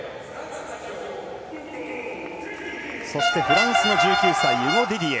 そしてフランスの１９歳ユゴ・ディディエ。